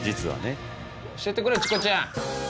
教えてくれチコちゃん！